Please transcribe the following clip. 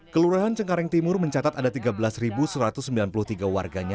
kelurahan cengkareng timur mencatat ada tiga belas satu ratus sembilan puluh tiga warganya